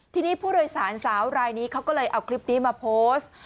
ทีนี้ผู้โดยสารสาวรายนี้เขาก็เลยเอาคลิปนี้มาโพสต์